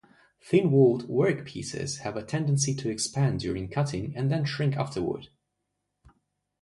Thin-walled workpieces have a tendency to expand during cutting and then shrink afterward.